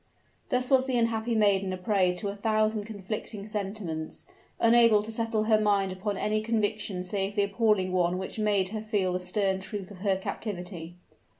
Thus was the unhappy maiden a prey to a thousand conflicting sentiments; unable to settle her mind upon any conviction save the appalling one which made her feel the stern truth of her captivity.